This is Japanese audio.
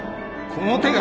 この手が！